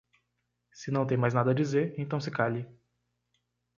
Se não tem mais nada a dizer, então se cale